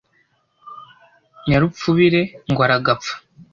Nyarupfubire ngo aragapfa